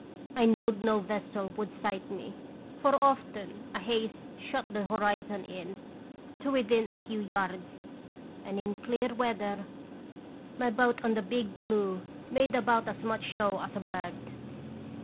I knowed no vessel would sight me, for often a haze shut the horizon in to within a few yards, and in clear weather my boat on the big blue made about as much show as a bird.